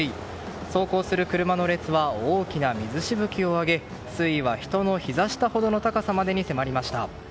走行する車の列は大きな水しぶきを上げ水位は人のひざ下ほどの高さにまで迫りました。